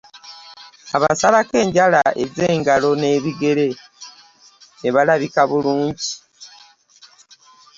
Abasalako enjala ez’engalo n’ebigere ne balabika bulungi.